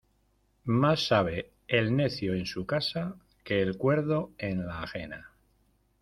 Más sabe el necio en su casa que el cuerdo en la ajena.